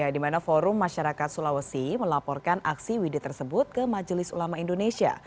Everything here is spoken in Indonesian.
di mana forum masyarakat sulawesi melaporkan aksi widi tersebut ke majelis ulama indonesia